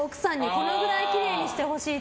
このぐらいきれいにしてほしいって。